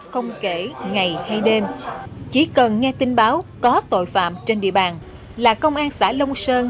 không kể ngày hay đêm chỉ cần nghe tin báo có tội phạm trên địa bàn là công an xã long sơn